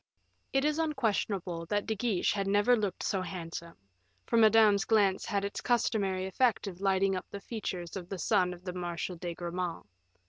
It is unquestionable that De Guiche had never looked so handsome, for Madame's glance had its customary effect of lighting up the features of the son of the Marshal de Gramont.